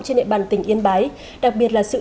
trên địa bàn tỉnh yên bái đặc biệt là sự